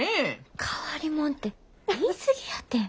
変わりもんて言い過ぎやて。